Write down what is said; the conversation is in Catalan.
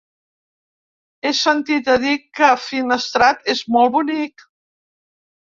He sentit a dir que Finestrat és molt bonic.